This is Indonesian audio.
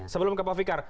sebelum ke pak fikar